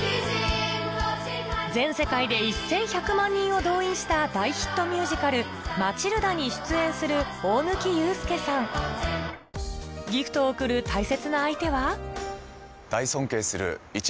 全世界で１１００万人を動員した大ヒットミュージカル『マチルダ』に出演するギフトを贈る大切な相手は大尊敬する。